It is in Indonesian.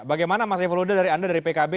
bagaimana mas saiful huda dari anda dari pkb